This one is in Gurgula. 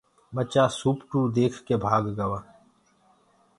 ڀچآ سوپٽوُ ديک ڪي ڀآگ گآ۔